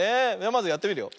まずやってみるよ。